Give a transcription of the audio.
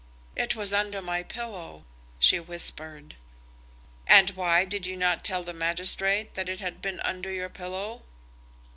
"It was under my pillow," she whispered. "And why did you not tell the magistrate that it had been under your pillow?"